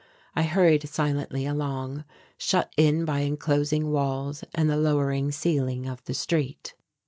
I hurried silently along, shut in by enclosing walls and the lowering ceiling of the street.